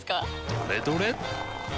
どれどれっ！